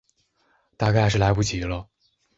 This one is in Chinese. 大概是来不及了